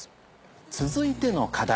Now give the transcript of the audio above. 続いての課題